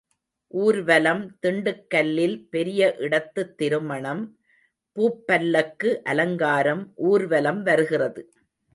ஊர்வலம் திண்டுக்கல்லில் பெரிய இடத்துத் திருமணம் பூப் பல்லக்கு அலங்காரம் ஊர்வலம் வருகிறது.